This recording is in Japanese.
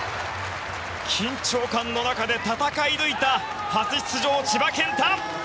緊張感の中で戦い抜いた初出場、千葉健太。